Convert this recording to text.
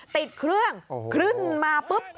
ติดเครื่องขึ้นมาปุ๊บ